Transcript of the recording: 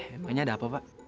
emangnya ada apa pak